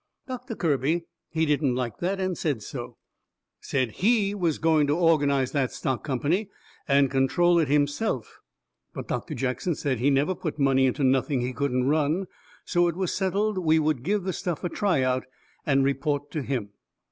Doctor Kirby, he didn't like that, and said so. Said HE was going to organize that stock company, and control it himself. But Doctor Jackson said he never put money into nothing he couldn't run. So it was settled we would give the stuff a try out and report to him.